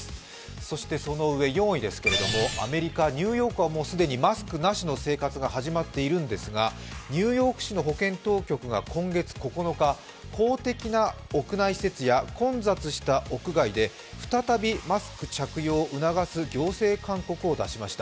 そして、その上４位ですがアメリカ・ニューヨークはもう既にマスクなしの生活が始まっているんですが、ニューヨーク市の保健当局が今月９日、法的な屋内施設や混雑した屋外で再びマスク着用を促す行政勧告を出しました。